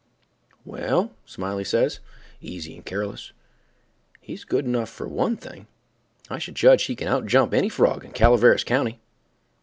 "Well," Smiley says, easy and careless, "he's good enough for one thing, I should judge—he can outjump any frog in Calaveras county."